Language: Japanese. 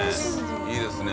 いいですね。